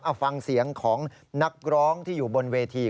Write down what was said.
เอาฟังเสียงของนักร้องที่อยู่บนเวที